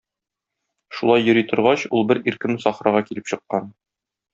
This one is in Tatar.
Шулай йөри торгач, ул бер иркен сахрага килеп чыккан.